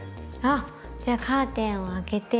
あっじゃあカーテンを開けて。